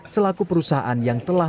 selaku perusahaan yang telah